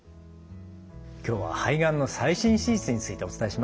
今日は肺がんの最新手術についてお伝えしました。